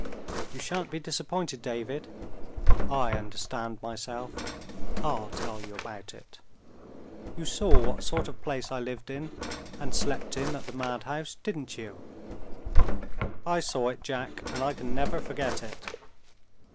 You shan't be disappointed, David. I understand myself I'll tell you about it. You saw what sort of place I lived in and slept in at the madhouse, didn't you?" "I saw it, Jack and I can never forget it."